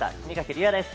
龍也です。